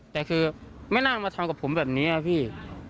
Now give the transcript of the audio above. แต่คือไม่น่ามาทำกับผมแบบนี้นะพี่